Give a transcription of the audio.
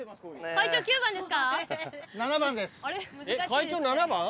会長７番？